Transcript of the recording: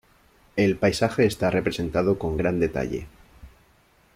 El paisaje está representado con gran detalle.